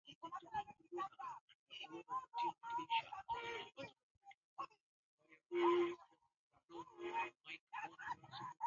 kama ndio unajiunga nasi hii ni makala ya yaliojiri wiki hii